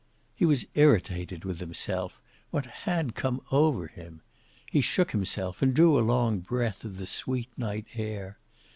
He was irritated with himself. What had come over him? He shook himself, and drew a long breath of the sweet night air.